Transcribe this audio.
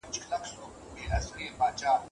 که انجن کم لګښت ولري نو ګټه لوړیږي.